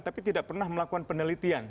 tapi tidak pernah melakukan penelitian